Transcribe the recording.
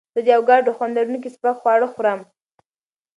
زه د اوکاډو خوند لرونکي سپک خواړه خوړم.